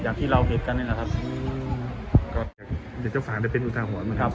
ที่เราเห็นกันนี่แหละครับก็อยากจะฝากได้เป็นอุทาหรณ์นะครับ